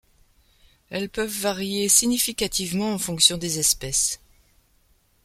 Elles peuvent varier significativement en fonction des espèces.